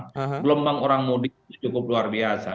gelombang orang mudik itu cukup luar biasa